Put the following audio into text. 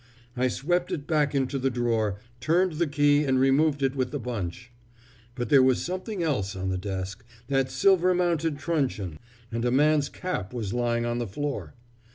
I swept it back into the drawer, turned the key and removed it with the bunch. But there was something else on the desk that silver mounted truncheon and a man's cap was lying on the floor.